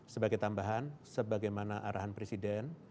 sebagai tambahan sebagaimana arahan presiden